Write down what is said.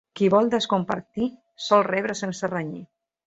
Qui vol descompartir sol rebre sense renyir.